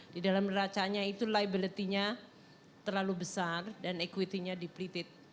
di dalam neracanya itu liabilitinya terlalu besar dan equity nya depleted